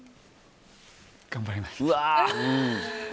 頑張ります。